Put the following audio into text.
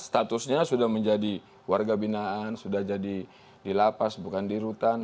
statusnya sudah menjadi warga binaan sudah jadi di lapas bukan di rutan